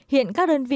hiện các đơn vị